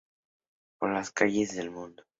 Por las calles del mundo".